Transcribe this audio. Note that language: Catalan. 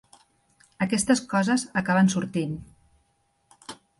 Aquestes coses acaben sortint.